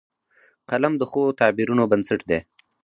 قلم د ښو تعبیرونو بنسټ دی